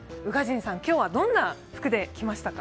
今日はどんな服で来ましたか？